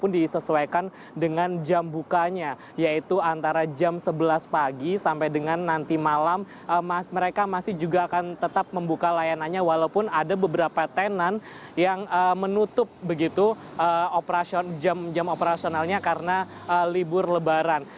disesuaikan dengan jam bukanya yaitu antara jam sebelas pagi sampai dengan nanti malam mereka masih juga akan tetap membuka layanannya walaupun ada beberapa tenan yang menutup begitu jam operasionalnya karena libur lebaran